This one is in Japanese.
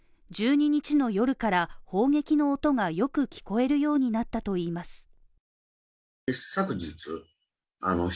１２日の夜から、砲撃の音がよく聞こえるようになったといいます。